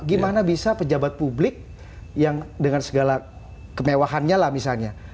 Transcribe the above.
gimana bisa pejabat publik yang dengan segala kemewahannya lah misalnya